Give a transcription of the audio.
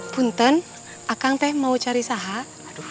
punten aku mau cari sahabat